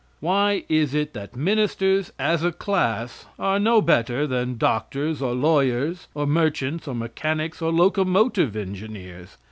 Why is it that ministers as a class are no better than doctors, or lawyers, or merchants, or mechanics, or locomotive engineers?